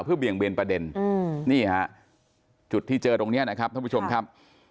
เพื่อเบี่ยงเบนประเด็นนี่ฮะจุดที่เจอตรงนี้นะครับท่านผู้ชมครับ